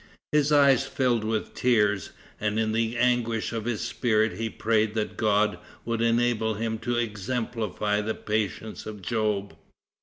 His eyes filled with tears, and in the anguish of his spirit he prayed that God would enable him to exemplify the patience of Job.